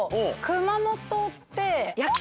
熊本って。